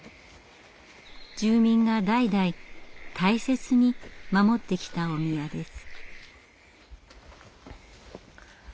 住民が代々大切に守ってきたお宮です。